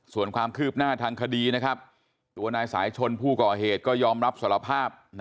ส่วนความคืบหน้าทางคดีนะครับตัวนายสายชนผู้ก่อเหตุก็ยอมรับสารภาพ